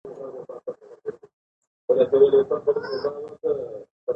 د قانون نه مراعت د بې نظمۍ پیل دی